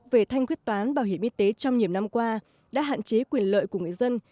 vương quốc về thanh quyết toán bảo hiểm y tế trong nhiệm năm qua đã hạn chế quyền lợi của người dân